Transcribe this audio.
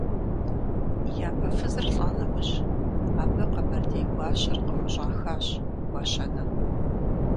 И япэ фызыр лӀа нэужь, абы къэбэрдей гуащэр къыхущӀахащ – Гуащэнэ.